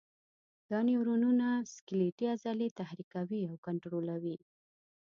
دا نیورونونه سکلیټي عضلې تحریکوي او کنټرولوي.